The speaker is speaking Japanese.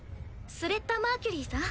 ・スレッタ・マーキュリーさん？